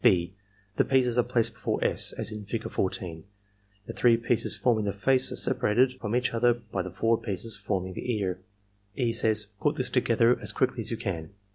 ^* (6) The pieces are placed before S., as in Fig. 14 (2). The three pieces forming the face are separated from each other by the four pieces forming the ear. E. says, ^^PiU this together as quickly as you can.''